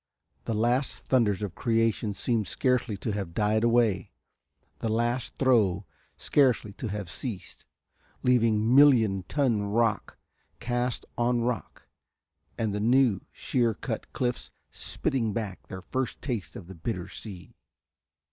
The last thunders of creation seemed scarcely to have died away, the last throe scarcely to have ceased, leaving million ton rock cast on rock and the new, shear cut cliffs spitting back their first taste of the bitter sea.